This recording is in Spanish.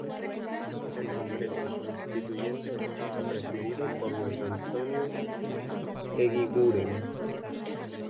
El Congreso Constituyente estaba presidido por Luis Antonio Eguiguren.